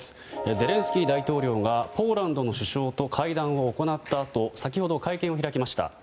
ゼレンスキー大統領がポーランドの首相と会談を行ったあと先ほど会見を行いました。